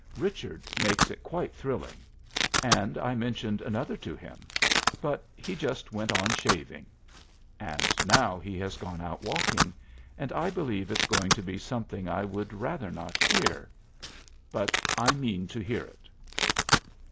Richard makes it quite thrilling. And I mentioned another to him. But he just went on shaving. And now he has gone out walking, and I believe it's going to be something I would rather not hear. But I mean to hear it."